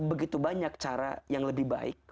begitu banyak cara yang lebih baik